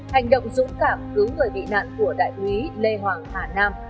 hành động dũng cảm cứu người bị nạn của đại quý lê hoàng hả nam